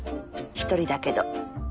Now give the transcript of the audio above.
１人だけど